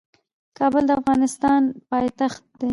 کابل د افغانستان پايتخت دي.